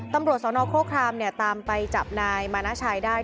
ตำรวจสนโครครามตามไปจับนายมานาชัยได้